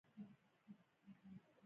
پنځه واړه.